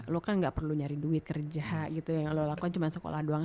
lo kan nggak perlu nyari duit kerja gitu ya lo lakukan cuma sekolah doang